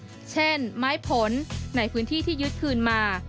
สถานีสิทธิ์แบบไม้ผลในพื้นที่ที่ยึดคืนมา